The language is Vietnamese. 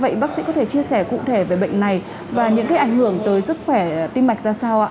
vậy bác sĩ có thể chia sẻ cụ thể về bệnh này và những ảnh hưởng tới sức khỏe tĩnh mạch ra sao